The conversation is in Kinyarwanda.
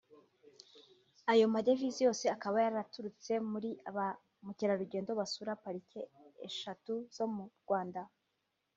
Ayo madevize yose akaba yaraturutse muri ba mukerarugendo basura parike eshatu zo mu Rwanda